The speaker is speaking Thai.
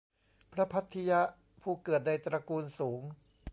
พระภัททิยะ ผู้เกิดในตระกูลสูง